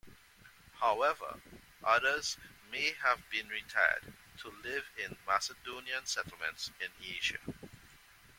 However, others may have been retired to live in Macedonian settlements in Asia.